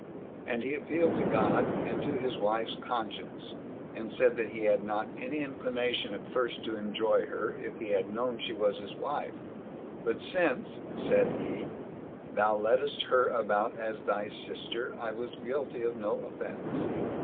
And he appealed to God, and to his wife's conscience; and said that he had not any inclination at first to enjoy her, if he had known she was his wife; but since, said he, thou leddest her about as thy sister, I was guilty of no offense.